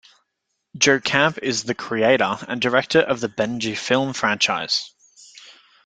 Joe Camp is the creator and director of the Benji film franchise.